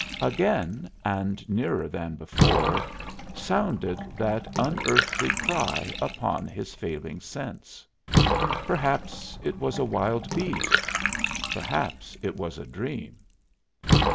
Again, and nearer than before, sounded that unearthly cry upon his failing sense. Perhaps it was a wild beast; perhaps it was a dream.